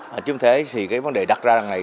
chứ không thế thì vấn đề đặt ra này